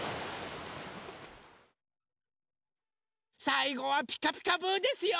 さいごは「ピカピカブ！」ですよ。